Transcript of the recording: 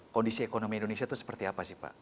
kondisi ekonomi indonesia itu seperti apa sih pak